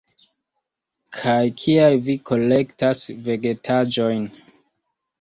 Kaj kial vi kolektas vegetaĵojn?